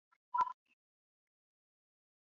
父亲是南华县丞。